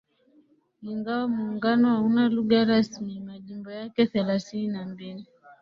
Ingawa Muungano hauna lugha rasmi majimbo yake thelathini na mbili